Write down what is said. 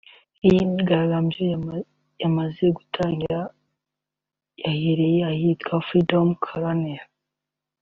Iyi myigaragambyo yamaze gutangira yahereye ahitwa Freedom corner